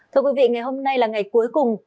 thưa quý vị ngày hôm nay là ngày cuối cùng